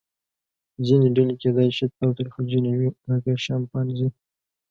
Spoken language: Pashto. ځینې ډلې کیدای شي تاوتریخجنې وي لکه شامپانزې.